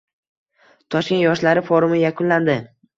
Toshkent yoshlari forumi yakunlandi